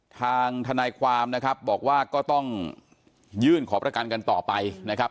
ทางทนายความนะครับบอกว่าก็ต้องยื่นขอประกันกันต่อไปนะครับ